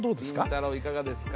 いかがですか？